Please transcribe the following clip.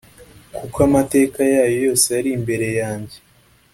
Kuko amateka yayo yose yari imbere yanjye